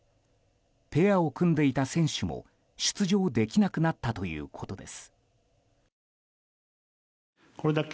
ペアを組んでいた選手も出場できなくなったということです。